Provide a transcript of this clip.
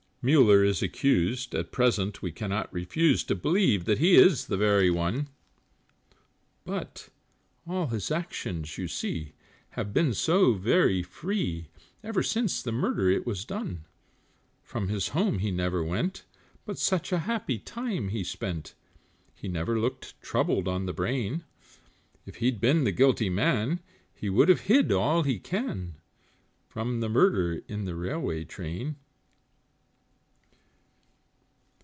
Muller is accused, at present we cannot refuse To believe that he is the very one, But all his actions, you see, have been so very free, Ever since the murder it was done; From his home he never went, but such a happy time he spent, He never looked troubled on the brain, If he'd been the guilty man, he would have hid all he can, From the murder in the railway train.